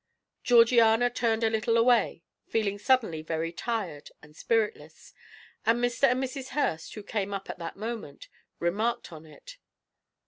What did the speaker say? Georgiana turned a little away, feeling suddenly very tired and spiritless, and Mr. and Mrs. Hurst, who came up at that moment, remarked on it.